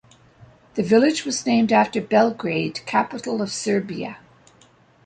The village was named after Belgrade, capital of Serbia.